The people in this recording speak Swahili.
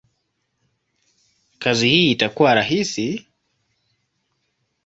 kazi hii itakuwa rahisi?